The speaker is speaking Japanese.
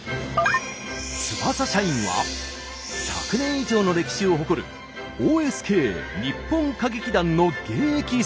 翼社員は１００年以上の歴史を誇るＯＳＫ日本歌劇団の現役スター俳優。